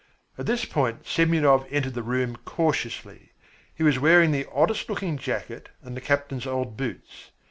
At this point Semyonov entered the room cautiously. He was wearing the oddest looking jacket and the captain's old boots.